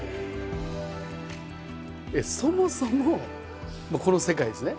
そもそもこの世界ですね